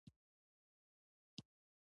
زه د فایل نوم بدل کوم.